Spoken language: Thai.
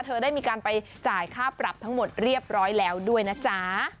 เธอได้มีการไปจ่ายค่าปรับทั้งหมดเรียบร้อยแล้วด้วยนะจ๊ะ